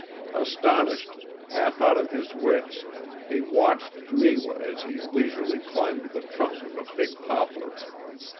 Astonished half out of his wits he watched Neewa as he leisurely climbed the trunk of a big poplar.